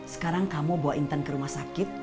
sekarang kamu bawa intan ke rumah sakit